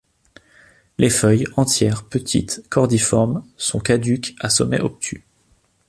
Les feuilles, entières, petites, cordiformes, sont caduques à sommet obtus.